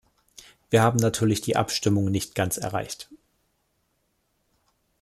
Wir haben natürlich die Abstimmung nicht ganz erreicht.